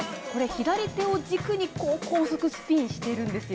左手を軸に高速スピンしているんですよ。